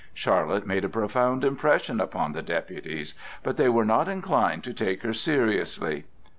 Charlotte made a profound impression upon the deputies; but they were not inclined to take her seriously.